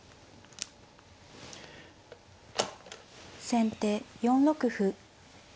先手４六歩。